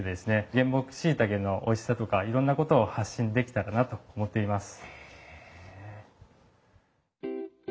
原木しいたけのおいしさとかいろんなことを発信できたらなと思っています。